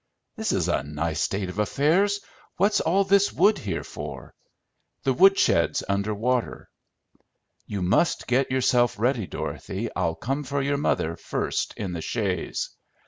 "This is a nice state of things! What's all this wood here for?" "The woodshed's under water." "You must get yourself ready, Dorothy. I'll come for your mother first in the chaise."